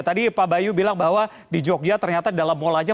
tadi pak bayu bilang bahwa di jogja ternyata di dalam mall saja